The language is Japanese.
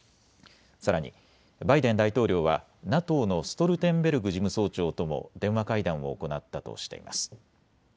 さらにバイデン大統領はＮＡＴＯのストルテンベルグ事務総長とも電話会談を行ったとしています。